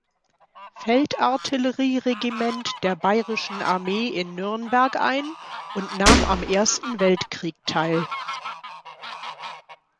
Feldartillerie-Regiment der Bayerischen Armee in Nürnberg ein und nahm am Ersten Weltkrieg teil.